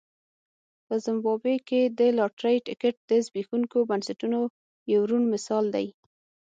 په زیمبابوې کې د لاټرۍ ټکټ د زبېښونکو بنسټونو یو روڼ مثال دی.